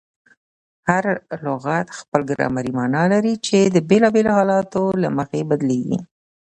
هر لغت خپله ګرامري مانا لري، چي د بېلابېلو حالتونو له مخه بدلېږي.